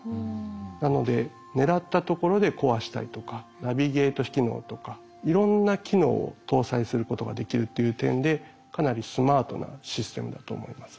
なので狙ったところで壊したりとかナビゲート機能とかいろんな機能を搭載することができるっていう点でかなりスマートなシステムだと思います。